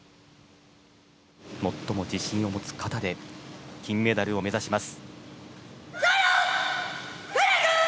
最も自信を持つ形で金メダルを目指します。